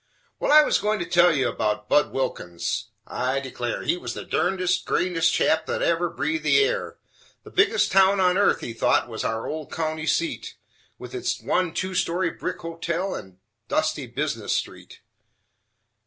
Well, I was goin' to tell you 'bout Budd Wilkins: I declare He was the durndest, greenest chap that ever breathed the air The biggest town on earth, he thought, was our old county seat, With its one two story brick hotel and dusty bizness street.